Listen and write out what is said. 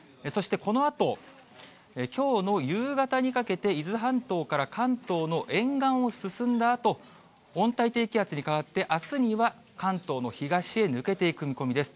そしてこのあと、きょうの夕方にかけて伊豆半島から関東の沿岸を進んだあと、温帯低気圧に変わって、あすには関東の東へ抜けていく見込みです。